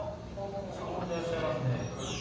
そこでらっしゃいますね。